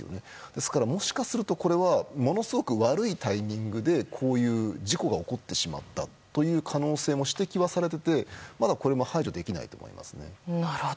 ですから、もしかするとこれはものすごい悪いタイミングでこういう事故が起こってしまったという可能性も指摘はされていてこれも排除できないと思いますね。